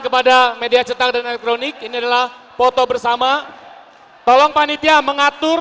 kepada media cetak dan elektronik ini adalah foto bersama tolong panitia mengatur